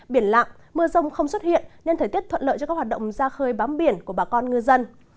biển lạng mưa rông không xuất hiện nên thời tiết thuận lợi cho các hoạt động ra khơi bám biển của bà con ngư dân